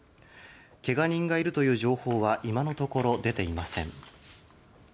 けが人がいるという情報は今のところ出ていません。